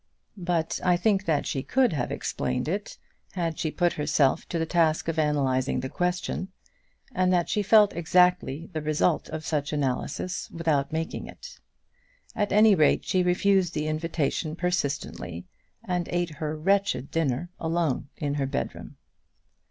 But I think that she could have explained it had she put herself to the task of analysing the question, and that she felt exactly the result of such analysis without making it. At any rate, she refused the invitation persistently, and ate her wretched dinner alone in her bedroom.